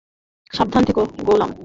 সাবধান থেকো, গোলাম।